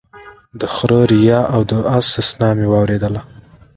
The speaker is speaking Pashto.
د خره ريا او د اس سسنا مې واورېدله